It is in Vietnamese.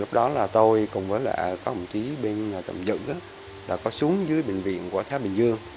lúc đó là tôi cùng với lại có một chí bên tầm dựng là có xuống dưới bệnh viện của thái bình dương